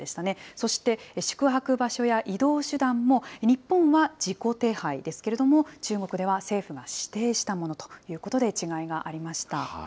そして、宿泊場所や移動手段も、日本は自己手配ですけれども、中国では政府が指定したものということで、違いがありました。